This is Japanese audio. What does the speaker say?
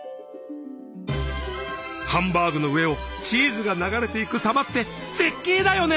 ハンバーグの上をチーズが流れていくさまって絶景だよね。